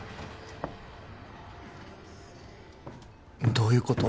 どういうこと？